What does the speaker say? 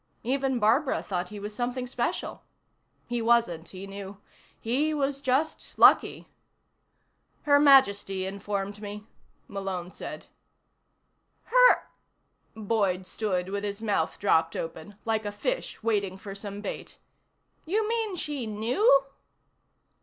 Even Barbara thought he was something special. He wasn't, he knew. He was just lucky. "Her Majesty informed me," Malone said. "Her " Boyd stood with his mouth dropped open, like a fish waiting for some bait. "You mean she knew?"